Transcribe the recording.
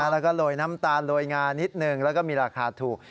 แล้วก็โรยน้ำตาลโรยงานิดนึงแล้วก็มีราคาถูก